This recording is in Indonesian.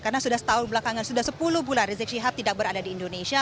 karena sudah setahun belakangan sudah sepuluh bulan rizik syihab tidak berada di indonesia